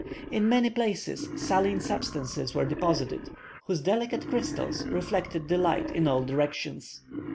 In many places saline substances were deposited, whose delicate crystals reflected the light in all directions.